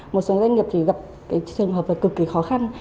một số doanh nghiệp thì gặp cái trường hợp là cực kỳ khó khăn